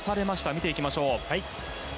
見ていきましょう。